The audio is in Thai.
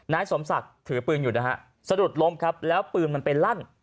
นายสมศักดิ์ถือปืนอยู่นะฮะสะดุดล้มครับแล้วปืนมันไปลั่น